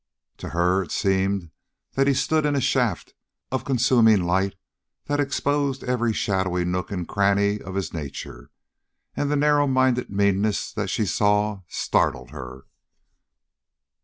To her it seemed that he stood in a shaft of consuming light that exposed every shadowy nook and cranny of his nature, and the narrow minded meanness that she saw, startled her.